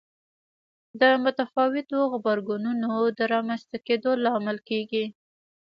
د متفاوتو غبرګونونو د رامنځته کېدو لامل کېږي.